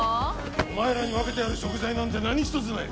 お前らに分けてやる食材なんて何一つない。